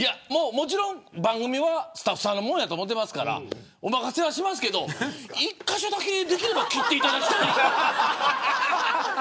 もちろん番組はスタッフさんのものやと思ってますからお任せしますけど、１カ所だけできれば切っていただきたい。